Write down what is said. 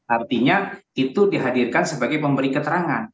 artinya itu dihadirkan sebagai pemberi keterangan